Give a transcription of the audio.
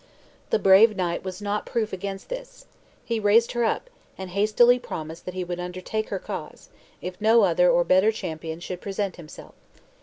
The brave knight was not proof against this. He raised her up, and hastily promised that he would undertake her cause, if no other or better champion should present himself.